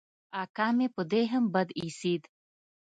اکا مې په دې هم بد اېسېد.